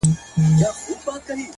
ژوند مي د هوا په لاس کي وليدی،